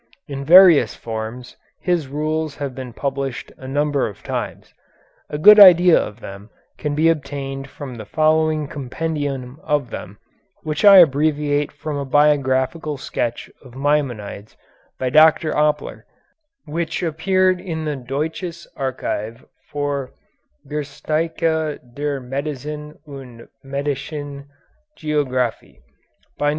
In various forms his rules have been published a number of times. A good idea of them can be obtained from the following compendium of them, which I abbreviate from a biographical sketch of Maimonides by Dr. Oppler, which appeared in the "Deutsches Archiv für Geschichte der Medizin und Medicinische Geographie" (Bd.